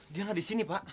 dia gak disini pak